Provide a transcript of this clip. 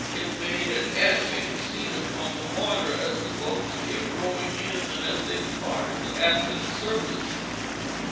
It made an animated scene upon the water, as the boats came rowing in and as they departed after the service.